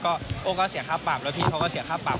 ก็โอ้ก็เสียค่าปรับแล้วพี่เขาก็เสียค่าปรับ